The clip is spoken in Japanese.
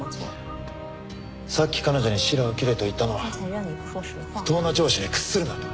さっき彼女にしらを切れと言ったのは不当な聴取に屈するなと。